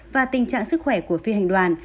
và tình trạng sức khỏe của phi hành đoàn